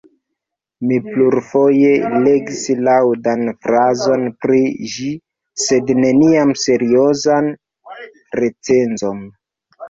Mi plurfoje legis laŭdan frazon pri ĝi, sed neniam seriozan recenzon.